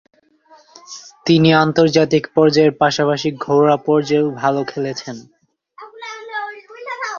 তিনি আন্তর্জাতিক পর্যায়ের পাশাপাশি ঘরোয়া পর্যায়েও ভাল খেলছেন।